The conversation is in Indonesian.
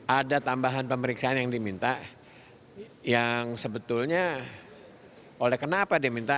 ada tambahan pemeriksaan yang diminta yang sebetulnya oleh kenapa diminta